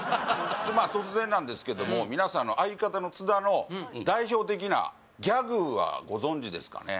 まあ突然なんですけども皆さん相方の津田のはご存じですかね？